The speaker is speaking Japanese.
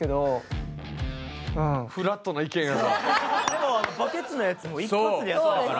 でもバケツのやつも一発でやったから。